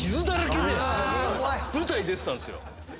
舞台出てたんすよ。